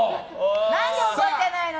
何で覚えていないの？